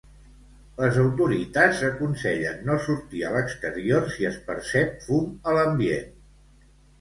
Les autoritats aconsellen no sortir a l'exterior si es percep fum a l'ambient.